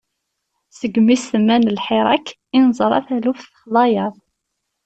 Segmi s-semman "lḥirak", i neẓra taluft texḍa-yaɣ.